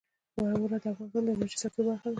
واوره د افغانستان د انرژۍ سکتور برخه ده.